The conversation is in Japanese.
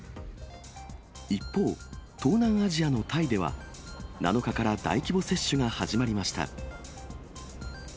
一方、東南アジアのタイでは、７日から大規模接種が始まりました。